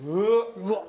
うわっ！